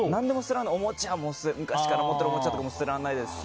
昔から持ってるおもちゃも捨てられないですし。